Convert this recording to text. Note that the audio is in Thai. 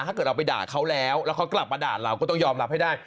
ถ้าเกิดเราไปด่าเขาแล้วแล้วเขากลับมาด่าเราก็ต้องยอมรับให้ได้